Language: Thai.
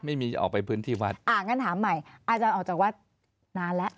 ไม่มีออกไปพื้นที่วัดอ่างั้นถามใหม่อาจารย์ออกจากวัดนานแล้ว